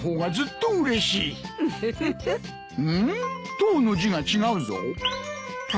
「とう」の字が違うぞ。